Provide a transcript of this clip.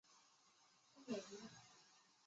与氰化氢反应生成乙腈。